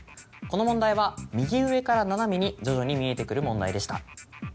この問題は右上から斜めに徐々に見えてくる問題でした。